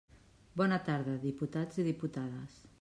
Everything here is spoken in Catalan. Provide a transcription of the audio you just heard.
Bona tarda, diputats i diputades.